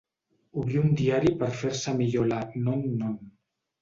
Obrí un diari per fer-se millor la non-non.